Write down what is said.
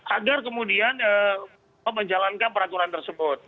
agar kemudian menjalankan peraturan tersebut